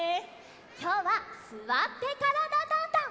きょうは「すわってからだ☆ダンダン」。